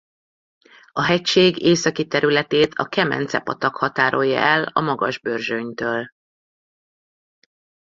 A hegység északi területét a Kemence-patak határolja el a Magas-Börzsönytől.